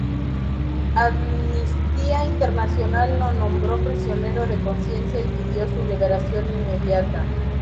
Amnistía Internacional lo nombró prisionero de conciencia y pidió su liberación inmediata.